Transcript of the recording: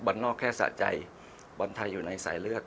นอกแค่สะใจบอลไทยอยู่ในสายเลือด